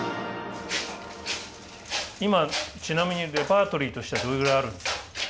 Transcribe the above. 今ちなみにレパートリーとしてはどれぐらいあるんですか？